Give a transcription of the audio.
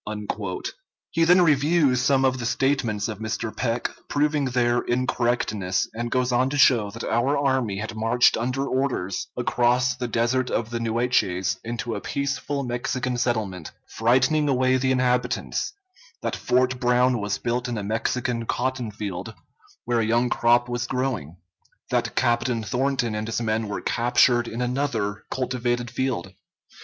He then reviews some of the statements of Mr. Peck, proving their incorrectness, and goes on to show that our army had marched under orders across the desert of the Nueces into a peaceful Mexican settlement, frightening away the inhabitants; that Fort Brown was built in a Mexican cotton field, where a young crop was growing; that Captain Thornton and his men were captured in another cultivated field.